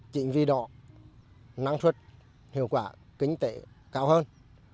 chỉnh vi đọ năng suất hiệu quả kinh tế cao hơn